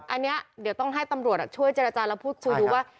อันนี้เดี๋ยวต้องให้ตำรวจช่วยเจรจาแล้วพูดคุยดูว่า